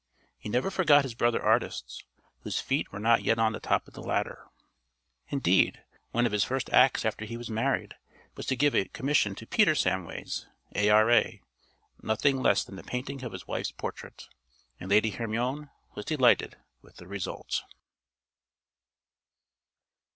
He never forgot his brother artists, whose feet were not yet on the top of the ladder. Indeed one of his first acts after he was married was to give a commission to Peter Samways, A.R.A. nothing less than the painting of his wife's portrait. And Lady Hermione was delighted with the result.